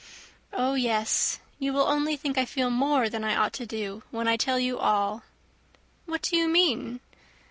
"Oh, yes! You will only think I feel more than I ought to do when I tell you all." "What do you mean?"